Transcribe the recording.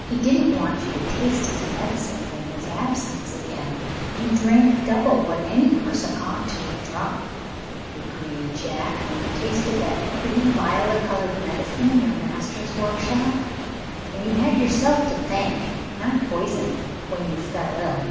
He didn't want you to taste his medicines in his absence again. You drank double what any person ought to have drunk, you greedy Jack, when you tasted that pretty violet colored medicine in your master's workshop. And you had yourself to thank not poison, when you fell ill."